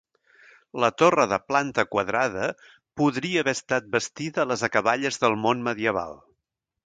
La torre de planta quadrada podria haver estat bastida a les acaballes del món medieval.